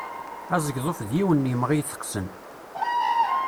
Azegḍuf d yiwen n yimɣi iteqsen.